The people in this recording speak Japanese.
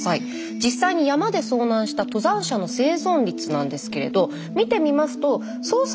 実際に山で遭難した登山者の生存率なんですけれど見てみますと捜索